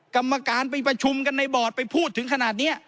กรรมการไปประชุมกันในบอร์ดไปพูดถึงขนาดนี้